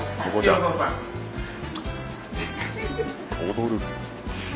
踊る。